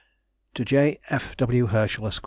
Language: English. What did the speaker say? TO J. F. W. HERSCHEL, ESQ.